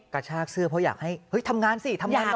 กระชากเสื้อเพราะอยากให้เฮ้ยทำงานสิทำงานเหรอ